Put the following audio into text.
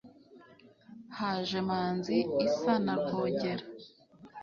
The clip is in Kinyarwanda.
Haje Manzi isa na Rwogera